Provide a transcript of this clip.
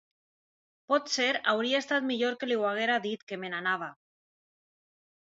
Potser hauria estat millor que li ho haguera dit, que me n'anava.